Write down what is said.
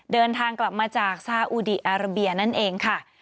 เดินทางกลับมาจากซาอุดีอาราเบียนั่นเองค่ะ